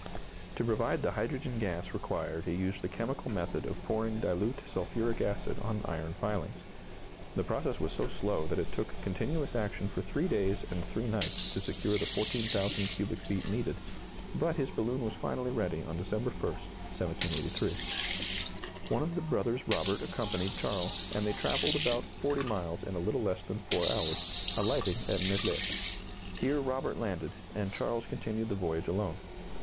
To provide the hydrogen gas required he used the chemical method of pouring dilute sulphuric acid on iron filings. The process was so slow that it took continuous action for three days and three nights to secure the 14,000 cubic feet needed, but his balloon was finally ready on December 1, 1783. One of the brothers Robert accompanied Charles, and they travelled about 40 miles in a little less than 4 hours, alighting at Nesles. Here Robert landed and Charles continued the voyage alone.